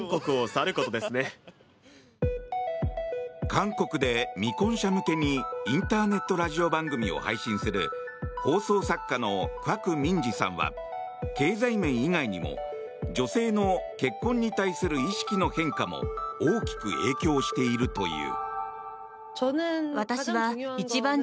韓国で未婚者向けにインターネットラジオ番組を配信する放送作家のクァク・ミンジさんは経済面以外にも女性の結婚に対する意識の変化も大きく影響しているという。